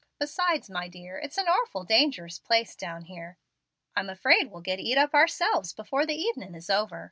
Besides, my dear, it's an orful dangerous place down here. I'm afraid we'll git eat up ourselves before the evening is over.